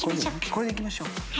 これでいきましょ。